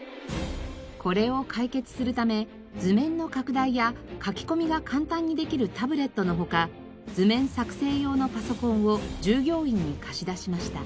これを解決するため図面の拡大や書き込みが簡単にできるタブレットの他図面作成用のパソコンを従業員に貸し出しました。